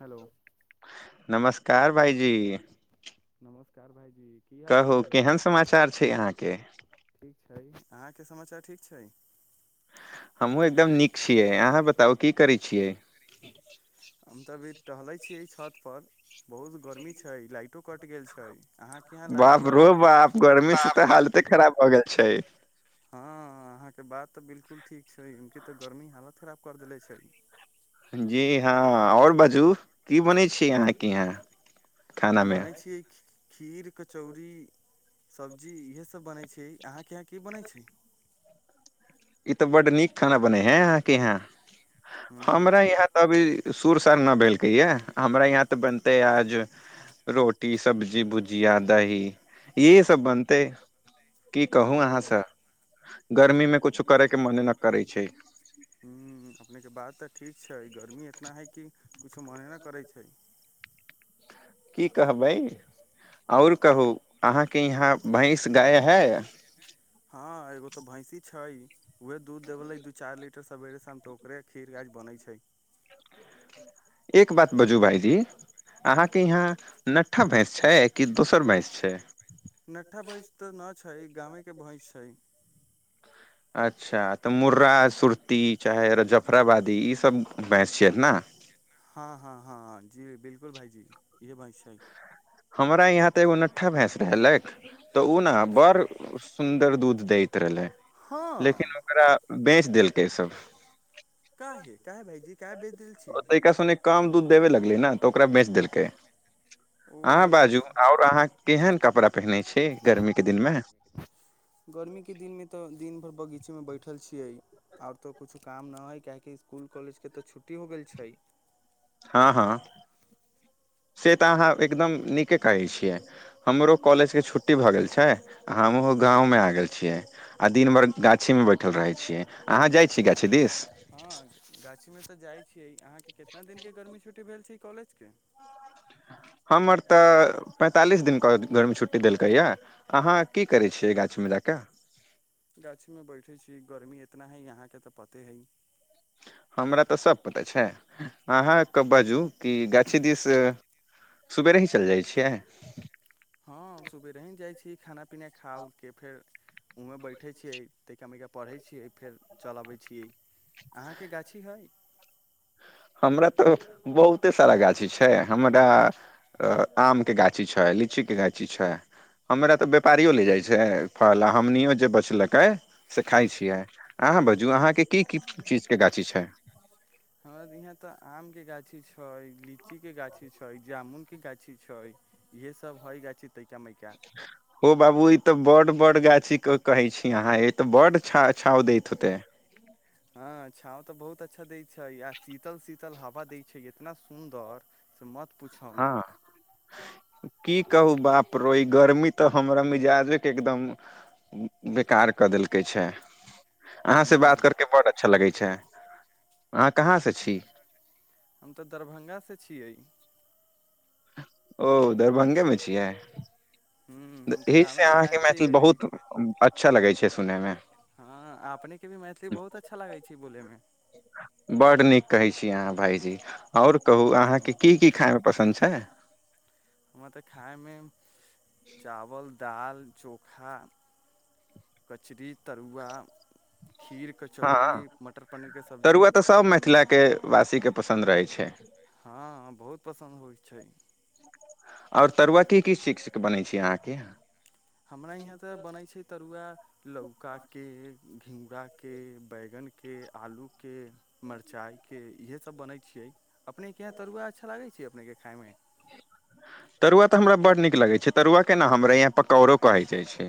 hello नमस्कार भइजी नमस्कार भाइी कहू केहन समाचार छै अहाँके ठीक अहाँके समाचार ठीक छै हमहूँ एकदम नीक छियै अहाँ बताउ की करै छियै हम तब टहलै छी एहि छतपर बहुत गर्मी छै लाइटो कटि गेल छै अहाँके यहाँ लाइट बाप रो हइ बाप गर्मी से तऽ हालते खराब अग छै हँ अहाँके बात तऽ बिलकुल ठीक छै उके तऽ गर्मी हालत खराब कर देले छै जी हँ आओर बाजू की बनै छी अहाँके यहाँ खाना मे बनै छिय खीर कचौड़ी सब्जी इहे सब बनै छै अहाँके यहाँ की बनै छै ई तऽ बड्ड नीक खाना बने हैं यहाँके यहाँ हूँ हमरा यहाँ तऽ अभी सुर सड़ न भेलकै यए हमरा यहाँ तऽ बनतै आज रोटी सब्जी भुजिया दही यह सब बनतै की कहू ओ अहाँसँ गर्मी मे कुछु मने न करै छै हूँ अपनेके बात तऽ ठीक छै गर्मी इतना है कि किछो मने नहि करै छै की कहबै आओर कहू अहाँके यहाँ भैंस गाय हइ हँ एगो तऽ भैँसी छै उएह दूध देबेलै दू चारि लीटर सवेरे शाम तऽ ओकरे खीर गाछ बनै छै एक बात बाजू भाायजी अहाँके यहाँ नठ्ठा भैंस छै कि दोसर भैंस छै नठा बैस तऽ न छै गामे के भैंस छै अच्छा तऽ मुर्रा सुरती चाहे जफराबादी ईसभ भैंस छिय ने हँ हँ हँ जी बिलकुल भाइजी इह ब छैी हमरा यहाँ तऽ एगो नट्ठा भैंस रहलथि तऽ ओ ने अच्छा बड़ सुन्दर दूध दै रहल हँ लेकिन ओकरा बे देलकै सब क है क ह भाजी क्य ब देल छी तैका सुने कम दूध देबे लगलै ने तऽ ओकरा बेच देलकै अह ओ बाजू आओर अहाँ केहन कपड़ा पहिहनइ छै गर्मी के दिन मे तऽ दिन भर बगीचा चमे बैठल छियै आओर तऽ कुछु काम नहि हइ काहेकि इसकुल कॉलेजके तऽ छुट्टी हो गेल छै हँ हँ से तऽ अहाँ एकदम नीके कहैत छियै हमरो कॉलेजके छुट्टी भऽ गेल छै आ हमहू गाँवमे आ गेल छियै आ दिनभरि गाछीमे बैठल रहैत छियै अहाँ जाइत छी गाछी दिस हँ गाछी में तऽ जाय छीियै अहां के कितना दिन के गर्मी छै छुट्ट भेल छै कॉलेजके हमर तऽ पैंतालिस दिनके गर्मी छुट्टी देलकैए अहाँ की करै छियै गाछीमे जा कए गाछीमे बैठे छी गर्मी इतना है यहाँके तऽ पते हइ हमरा तऽ सभ पता छै अहाँके बाजू कि गाछी दृस सवेरे ही चलि जाइ छियै हँ सुबेरे ही जाइ छी खाना पीना खा के फेर उह बैठै छियै तहििका मिका पढ़ै छियै फेर चल अबै छियै अहाँके गाछी ह हमरा तऽ बहुते सारा गाछी छै हमरा आमके गाछी छै लीचीके गाछी छै हमरा तऽ व्यापारियो ले जाइत छै फल आ हमनियो जे बचलकै से खाइ छियै अहाँ बाजू अहाँके की की चीजके गाछी छै हमरा यहाँ तऽ आम के गाछी छै लीची के गाछी छै जामुन के गाछी छै इहे सब हय गाछी तयका मयका ओ बाबू ई तऽ बड्ड बड्ड गाछी क कहे छी अहाँ ई तऽ बड्ड छा छाँव दैत होतै हँ छाँव तऽ बहुत अच्छा दै छै आ शीतल शीतल हवा दै छै इतना सुन्दर से मत पुछब हँ की कहू बाप रो ई गर्मी तऽ हमरा मिजाजे के एकदम बेकार कऽ देलकै छै अहाँ ह से बात करके बड अच्छा लगै छै अहाँ कहाँ से छी हम तऽ दरभंगासे छियै ओ दरभंगेमे छियै ह हम तऽ एहि से गामेमे अहाँके आयल छी मैथिल अभी बहुत अच्छा लगै छै सुनयमे हँ अपने के भी मैथिली बहुत अच्छा लागै छै बोलै मे बड नीक कहै छी अहाँ भाईजी आओर कहू ह अहाँके की की खाय मे पसन्द छै हमरा तऽ खायमे चावल दाल चोखा कचरी तरुआ खीर हँ कचौड़ी मटर पनीर के सब्जी तरुआ तऽ सभ मिथिलाके वासीके पसन्द रहै छै हँ बहुत पसन्द होय छै आओर तरुआ किस चीज के बनै छै अहाँके हमरा यहाँ तऽ बनै छै तरुआ लौका के घिउराके बैगनके आलूके मरचाइके इएहे सभ बनै छियै अपनेके यहाँ तरुआ अच्छा लागै छै अपनेके खायमे तरुआ तऽ हमरा बड्ड नीक लगै छै तरुआ केना हमरा यहाँ पकौड़ो कहै जाइ छै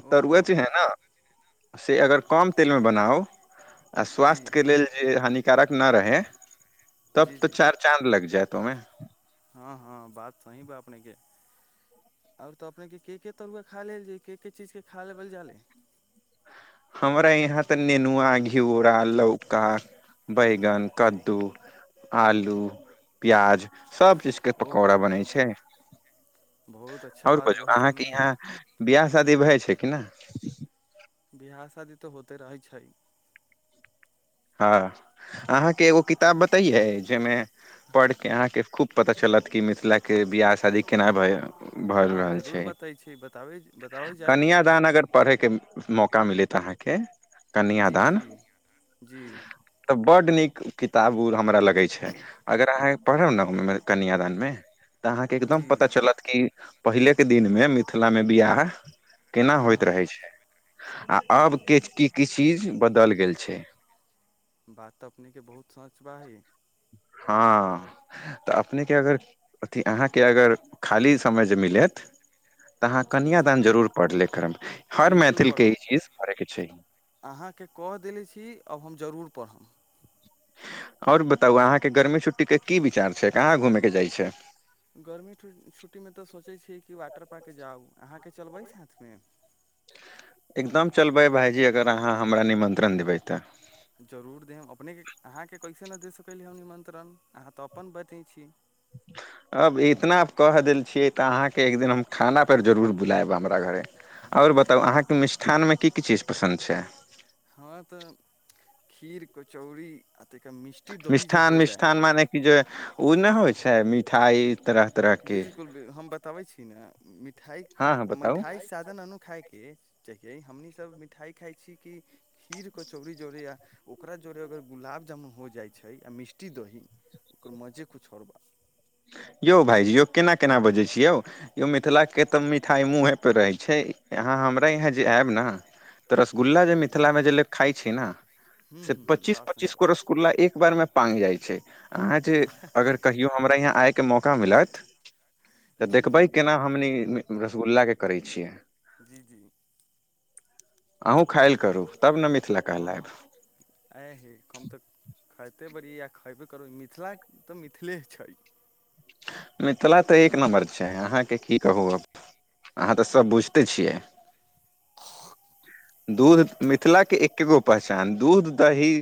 आ ओ तरुआ जे है ने से अगर कम तेलमे बनाउ आ जी स्वास्थ्य के लेल जे हानिक कारक न रहे तब जी तऽ जी चार चाँद लग जैत तऽ मे हँ हँ बात सही बा अपनेके आओर तऽ अपनेके के के तरुआ खा लेल जे के के चीजके खा लेबल जा ले हमरा यहाँ तऽ नेनुआ घिउरा लौका बैगन कद्दू आलू प्याज सब चीज के ओहो पकौड़ा बनै छै बहुत अच्छा आओर बात बाजू कहै छनि अहाँके हे यहाँ बियाह शादी भै छै केना बिवाह शादी तऽ होते रहै छै हँ अहाँके एगो किताब बतैयै जाहिमे पढ़ि कऽ अहाँके खूब पता चलत कि मिथिलाके बियाह शादी केना भइ भर हँ रहल जरूर छै बतै छी बताबै बताबै जाइ कन्यादान अगर पड़है के मौक का मिलत अहाँके जी कन्यादान जी यैह बात जी तऽ बड्ड नीक किताब उ हमरा लगै छै अगर अहाँ पढ़ब न ओहि मे कन्यादान मे तऽ अहाँके एकदम जी पता चलत कि पहिले के दिन मे मिथिला मे वियाह केना हँ होइत हँ रहै छै आ अब के की की चीज बदल गेल छै बात तऽ अपने के बहुत सच बा ही हँ तऽ अपनेके अगर अथी अहाँके अगर खाली समय जे मिलेत तऽ अहाँ जी कन्यादान जरूर पढ़ ले करब हर बिल्कुल मैथिलके ई पढ़ब चीज करयके छै पड़हब आओर बताउ अहाँके गर्मी छुट्टी के की विचार छै कहाँ घूमे के जाइ छै गर्मी छुट्टी मे त सोचे छिये कि वाटर पार्क के जाउ अहाँके चलबै साथ मे एकदम चलबै भायजी अगर अहाँ हमरा निमन्त्रण देबै तऽ जरूर देब अपनेके अहाँके कैसे नहि दे सकैली हम निमन्त्रण अहाँ तऽ अपन बतै छी अब इतना कह देल छियै तऽ अहाँके एक दिन हम खाना पर जरूर बुलायब हमरा घरे और बताउ अहाँके मिष्ठान मे की की चीज पसन्द छै हँ तऽ खीर कचौड़ी आ ताहिके मिष्टी दही जे मिष्ठान हो जाय मिष्ठान मने कि जे ओ नइ होइ छैय मिठाई बिलकुलु हम बताबै छी न मिठाइ हँ हँ बताउ मिठाइ सादा न नु खाायके [unintelligible] हमनी सब मिठाइ खााय छी कि खीर कचौरी जड़े आ ओकरा जोड़े अगर गुलाब जामुन हो जाइ छै आ मिष्टी दही ओकर मजे कुछ आओर बा यौ भायजी यौ केना केना बजै छी यौ यौ मिथिलाके तऽ मिठाइ मूँहे पर रहै छै अहाँ हमरा यहाँ जे आयब न त रसगुल्ला जे मिथिला मे जे लोक खाइ छै न हूँ से हूँ हूँ पचीस बात सही पच्चीस गो बात रसगुला एक बार मे पांग जाइ छै अहाँ जे अगर कहियो हमरा यहाँ आइके मौका मिलत तऽ जी देखबै जी केना हमनी रसगुल्लााक के करै छियै जी जी अहूँ खायल करू तब न मिथिला हँ हँ कहलायब कते बड़िया खैबे करू मिथिला तऽ मिथिले छै मिथिला तऽ एक नम्बर छै अहाँके की कहू अब अहाँ तऽ सब बुझते छियै दूध मिथिलाके एके गो पहचान दूध दही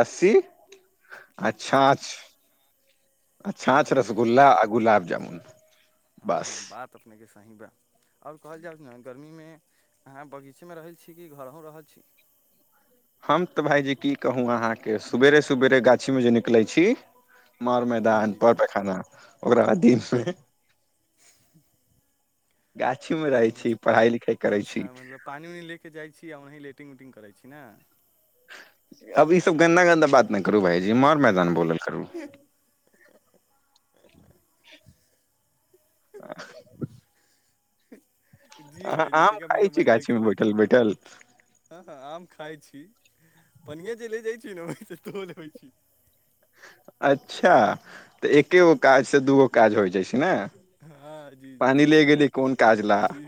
लस्सी आ मिठाइ छाँछ आ छाछ बिल रसगुल्ला आ गुलाब जामुन हँ बस हँ बात अपने के सही ब आओर कहल जाय ने गर्मी मे अहाँ बगीचेमे रहैत छी कि घरो रहल छी हम तऽ भाायजी की कहू अहाँके सेरे सुवेरे गाछी मे जे निकलै छी मर जी मैदान जी पर पैखाना ओकरा दिनमे गाछीमे रहै ह छी पढ़ाइ लिखाइ करै छी अच्छा मतलब पानी उाननी ले के जाइ छी आ वह लेटिंग उटिंग करै छी छै नहि अब ई सब गन्दा गन्दा बात नहि करू भाायजी इ मर मैदान बोलल करू आ जी भाइजीतमे खाइ छी मजा गाछी मे चलै बैठल छी बैठल आम खाइ छी पनिया ज ले जाइ छी न तने हो छी अच्छा तऽ एके गो काज से दूगो काज होइ जाइ छै ने हँ जी जी पानी ले गेली कोन काज ला जी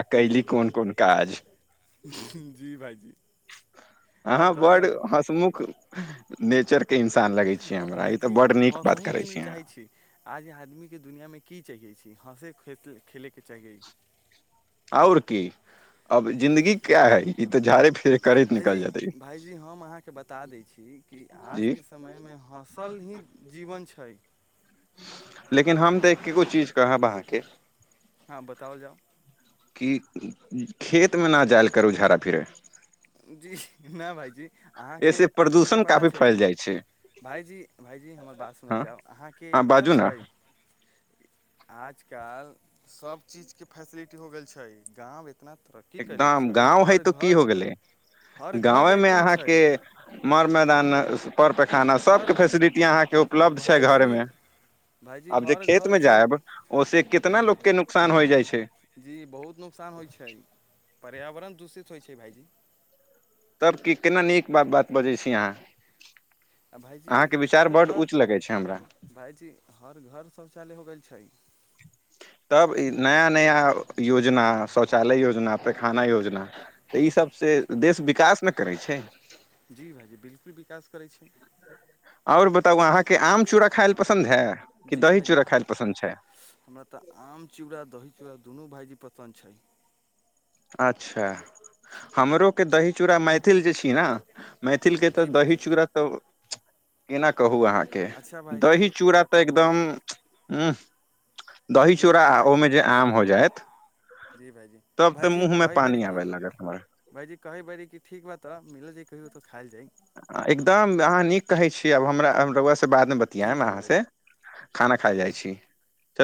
आ कयली कोन जी कोन काज जी भाइजी आओर हँ कहल बड जाउ हसमुख नेचरके भाायजी हँ बात सही करै केन अहाँ चाहे छी आज आदमी के दुनिया मे की चाहिे छी हँसे खेलैके चाही आओर की अब जिन्दगी क्या है ई तऽ झाड़े फेरे करैत भाइजी निकल जेतै भाइजी हम अहाँकेँ बता दै छी कि जी आजके समयमे हँसल ही जीवन छै लेकिन हम तऽ एकगो चीज कहब अहाँके हँ बताओल जाउ कि खेतमे नहि जायल करू झाड़ा फिरै जी नहि भायजी अहाँके ऐसे अपनेके प्रदूषण पता काफी छै फैल जाइ छै भाइजी भाइजी हमर बात सुनल हँ जाउ अहाँके हँ पता बाजू ने छै आजकल सब चीज के फैसिलिटी हो गेल छै गाँव ए इतना तरक्की कले छै हर घर हर घर गाँमे लैट्रिन छै अहाँके मर मै पैाना सब हर फेसिलिटी अह उप् छै घर भायजी मे भाइजी आब जे हर खेत मे घरसँ जायब ओस कितना जी ल के भाइजी नुकसान हो जाइ छै जी बहुत नुकसान होइ छै पर्यावरण दूषित होइत छै भाइजी तब की केना नीक बात बात बजै छी अहाँ आओ भाइजी अहाँके विचार हर बड्ड घर उच्च लगै छै हमरा भाइजी हर घर शौचालय हो गेल छै तब ई नया नया योजना शौचालय योजना पखाना योजना तऽ ई सब से जी देश भाइजी विकास नहि करै छै जी भाइजी बिल्कुल विकास करै छै आओर बता तब अहाँके आम चूड़ा खाइ ल पसन्द हइ कि जी दही भाइजी चूड़ा खायइ ल पसन्द छै हमरा तऽ आम चूड़ा दही चूड़ा दुनू भाईजी प पंछय अच्छा हमरो के दही चूड़ा मैथिल जे छीियै ने मैथिलके तऽ जी दही भाइजी चूड़ा तऽ केना कहू अहाँके अच्छा भाइजी दही चूड़ा तऽ कहबो एकदम आ दही जी चूड़ा भाइजी ओहिमे जे आम हो जायत जी भाइजी तऽ तब तऽ भाइजी मुँह मे कहै बड़ पानी कि आबे लागत हमरा भाइजी कहै बड़ किी ठीक बात तऽ मिलल जे कहि तऽ खायल जाइ एकदम अहाँ नीक कहै छीयै आब हमरा बादमे बतिया ठीक बा अहाँ भाइजी से खाना खा जाइ छी चल